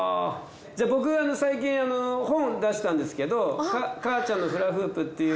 じゃあ僕最近本出したんですけど『母ちゃんのフラフープ』っていう。